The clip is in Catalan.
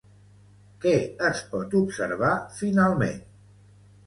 Què es pot observar finalment?